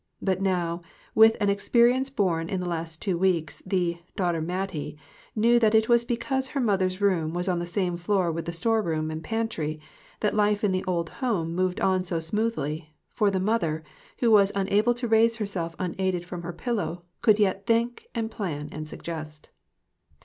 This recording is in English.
But now, with an expe rience born in the last two weeks, the " daughter Mattie" knew that it was because her mother's room was on the same floor with the store room and pantry that life in the old home moved on so smoothly, for the mother, who was unable to raise herself unaided from her pillow, could yet think and plan and suggest.